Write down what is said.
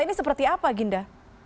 ini seperti apa ginda